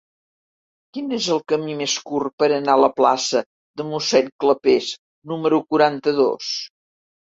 Quin és el camí més curt per anar a la plaça de Mossèn Clapés número quaranta-dos?